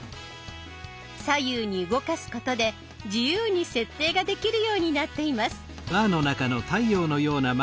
左右に動かすことで自由に設定ができるようになっています。